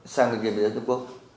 sang bên kia người dân trung quốc